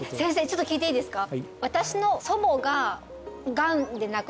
ちょっと聞いていいですか？